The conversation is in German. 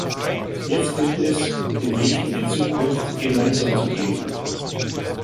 Jetzt gilt es, den Weg in die Zukunft gemeinsam zu gehen.